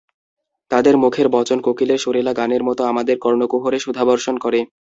তাঁদের মুখের বচন কোকিলের সুরেলা গানের মতো আমাদের কর্ণকুহরে সুধাবর্ষণ করে।